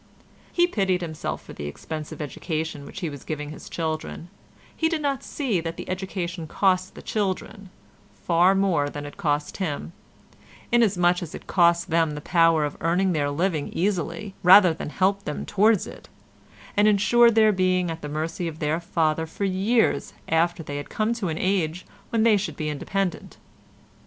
He pitied himself for the expensive education which he was giving his children; he did not see that the education cost the children far more than it cost him, inasmuch as it cost them the power of earning their living easily rather than helped them towards it, and ensured their being at the mercy of their father for years after they had come to an age when they should be independent.